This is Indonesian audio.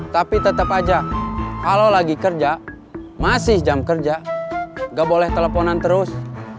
tapi tetap aja kalau lagi kerja masih jam kerja nggak boleh teleponan terus